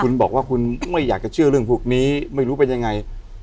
คุณบอกว่าคุณไม่อยากจะเชื่อเรื่องพวกนี้ไม่รู้เป็นยังไง